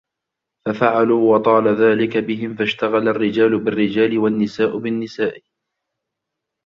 فَفَعَلُوا وَطَالَ ذَلِكَ بِهِمْ فَاشْتَغَلَ الرِّجَالُ بِالرِّجَالِ وَالنِّسَاءُ بِالنِّسَاءِ